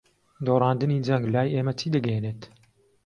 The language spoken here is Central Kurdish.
دۆڕاندنی جەنگ لای ئێمە چی دەگەیەنێت؟